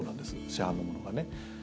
市販のものがね。